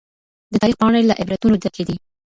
د تاريخ پاڼې له عبرتونو ډکې دي.